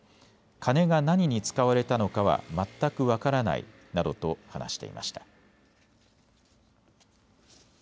金が何に使われたのかは全く分からないなどと話していました。